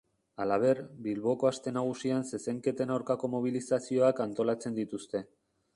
Halaber, Bilboko Aste Nagusian zezenketen aurkako mobilizazioak antolatzen dituzte.